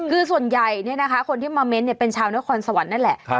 คือส่วนใหญ่เนี่ยนะคะคนที่มาเมนต์เนี่ยเป็นชาวเนื้อควรสวรรค์นั่นแหละ